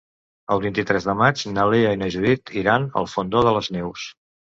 El vint-i-tres de maig na Lea i na Judit iran al Fondó de les Neus.